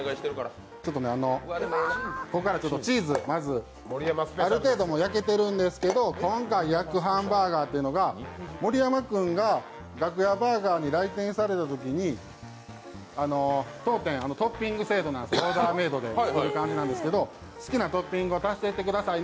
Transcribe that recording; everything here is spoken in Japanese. ちょっとね、ここからチーズ、ある程度、焼けてるんですけど今回、焼くハンバーガーっていうのが盛山君がガクヤバーガーに来店されたときに当店、トッピング制度なんです、オーダーメードなんですけど、好きなトッピングを足していってください